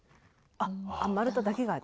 あっ丸太だけが。